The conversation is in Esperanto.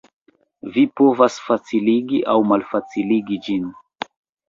Vi povas faciligi aŭ malfaciligi ĝin.